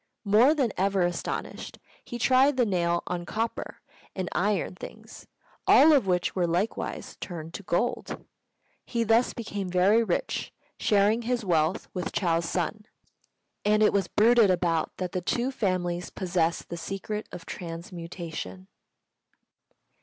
More than ever astonished, he tried the nail on copper and iron things, all of which were likewise turned to gold. He thus became very rich, sharing his wealth with Chou's son; and it was bruited about that the two families possessed the secret of transmutation.